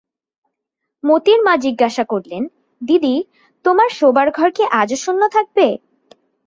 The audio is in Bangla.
মোতির মা জিজ্ঞাসা করলে, দিদি, তোমার শোবার ঘর কি আজও শূন্য থাকবে?